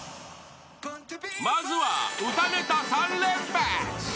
［まずは歌ネタ３連発］